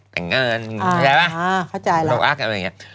แบบนั้น